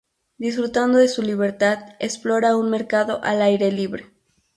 Disfrutando de su libertad, explora un mercado al aire libre.